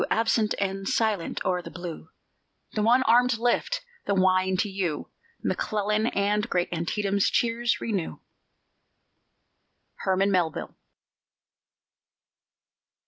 Absent and silent o'er the blue; The one armed lift the wine to you, McClellan, And great Antietam's cheers renew. HERMAN MELVILLE.